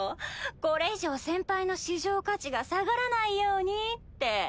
これ以上先輩の市場価値が下がらないようにって。